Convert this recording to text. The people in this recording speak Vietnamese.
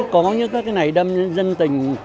có như các cái này đâm dân tình